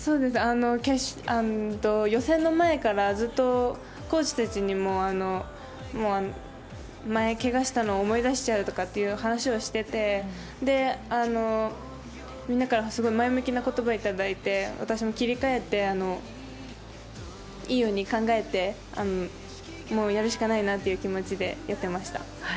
予選の前からずっとコーチたちにも前、けがしたのを思い出しちゃうという話をしててみんなから前向きな言葉をいただいて私も切り替えていいように考えてもうやるしかないなという気持ちでやっていました。